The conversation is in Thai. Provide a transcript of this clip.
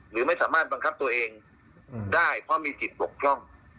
หรือไม่สามารถบังคับตัวเองได้เพราะมีจิตบกพร่อง